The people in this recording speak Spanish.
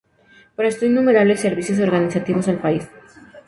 Prestó innumerables servicios organizativos al País.